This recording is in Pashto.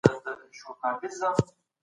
هغه کولای سي کتابونه وکاروي.